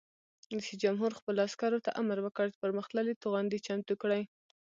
رئیس جمهور خپلو عسکرو ته امر وکړ؛ پرمختللي توغندي چمتو کړئ!